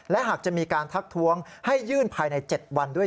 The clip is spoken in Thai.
และหากจะมีการทักท้วงให้ยื่นภายใน๗วันด้วย